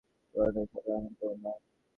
রোনালদোও সাধারণ কেউ নন।